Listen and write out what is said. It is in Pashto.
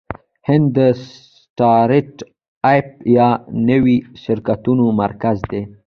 هند د سټارټ اپ یا نویو شرکتونو مرکز دی.